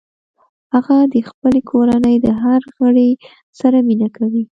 هغه د خپلې کورنۍ د هر غړي سره مینه کوي